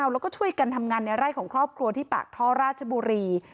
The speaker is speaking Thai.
แล้วก็ช่วยกันทำงานในไร่ของครอบครัวที่ปากท่อราชบุรี